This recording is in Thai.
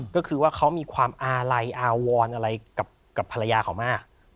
ก็คือว่าเขามีความอาลัยอาวรอะไรกับภรรยาเขามาก